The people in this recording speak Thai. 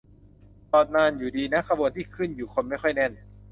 จอดนานอยู่ ดีนะขบวนที่ขึ้นคนไม่ค่อยแน่น